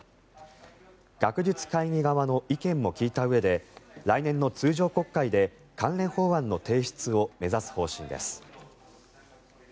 学術会議側の意見も聞いたうえで来年の通常国会で関連法案の提出を目指す方針です。